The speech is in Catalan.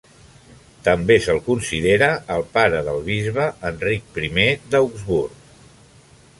També se'l considera el pare del bisbe Enric I d'Augsburg.